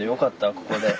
ここで。